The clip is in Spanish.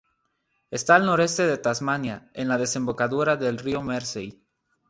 Está al noroeste de Tasmania, en la desembocadura del río Mersey.